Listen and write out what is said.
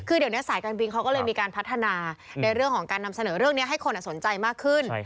คือเดี๋ยวนี้สายการบินเขาก็เลยมีการพัฒนาในเรื่องของการนำเสนอเรื่องนี้ให้คนสนใจมากขึ้น